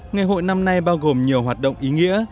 ngày hội năm nay bao gồm nhiều hoạt động ý nghĩa